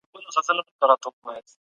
اقتصادي تعاون وکړئ.